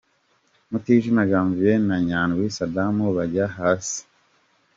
Mutijima Janvier na Nyandwi Sadam bajya hasi.